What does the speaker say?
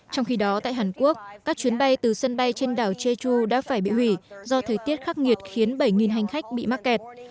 trong khi đó tại hàn quốc các chuyến bay từ sân bay trên đảo jeju đã phải bị hủy do thời tiết khắc nghiệt khiến bảy hành khách bị mắc kẹt